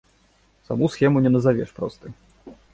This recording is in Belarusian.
Саму схему не назавеш простай.